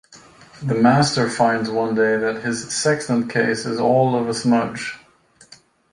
The master finds one day that his sextant case is all of a smudge.